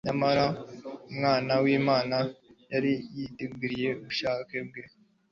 Nyamara Umwana w’Imana we yari yariyeguriye ubushake bwa Se,